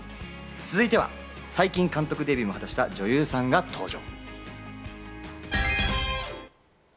続いては最近、監督デビューも果たした女優さんが登場。